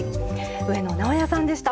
上野直哉さんでした。